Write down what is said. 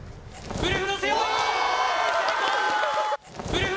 ウルフの背負い！